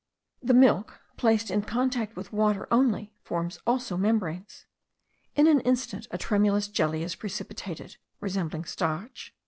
The milk, placed in contact with water only, forms also membranes. In an instant a tremulous jelly is precipitated, resembling starch.